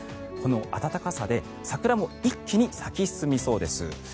この暖かさで桜も一気に咲き進みそうです。